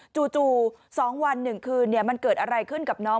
จู่๒วัน๑คืนมันเกิดอะไรขึ้นกับน้อง